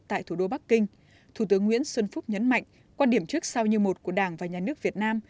tại thủ đô bắc kinh thủ tướng nguyễn xuân phúc nhấn mạnh quan điểm trước sau như một của đảng và nhà nước việt nam